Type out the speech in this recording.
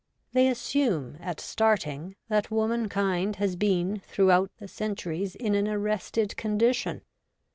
They assume, at starting, that womankind has been throughout the centuries in an arrested condition.